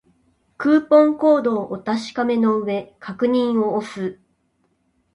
クーポンコードをお確かめの上、確認を押す